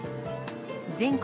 全国